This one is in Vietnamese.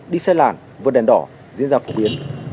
đi xe làn vượt đèn đỏ diễn ra phổ biến